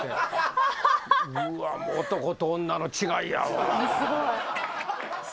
うわっ男と女の違いやわぁ。